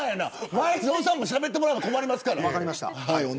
前園さんも、しゃべってもらわな困りますから。